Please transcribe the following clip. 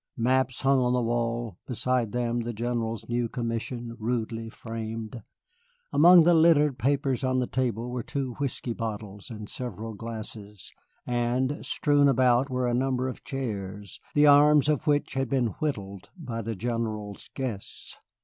Maps hung on the wall, beside them the General's new commission, rudely framed. Among the littered papers on the table were two whiskey bottles and several glasses, and strewn about were a number of chairs, the arms of which had been whittled by the General's guests.